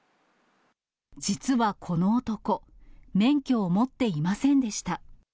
実はこの男、免許を持っていませんでした。